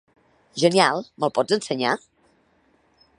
Genial, me'ls pots ensenyar?